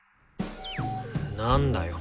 なんだよ。